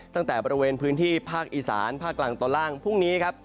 ตั้งแต่บริเวณพื้นที่ภาคอีสานภาคกลางตอนล่างพรุ่งนี้ครับ